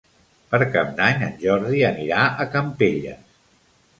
Per Cap d'Any en Jordi anirà a Campelles.